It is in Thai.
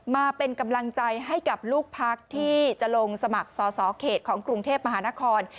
มาเป็นกำลังใจให้กับลูกพักที่จะลงสมัครสอสอเขตของกรุงเทพมหานคร